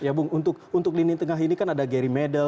ya bung untuk lini tengah ini kan ada gary medle